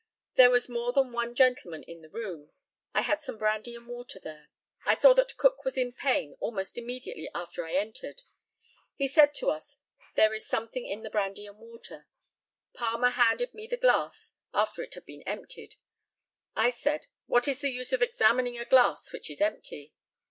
There was more than one gentleman in the room. I had some brandy and water there. I saw that Cook was in pain almost immediately after I entered. He said to us there is something in the brandy and water. Palmer handed me the glass after it had been emptied. I said, "What is the use of examining a glass which is empty?"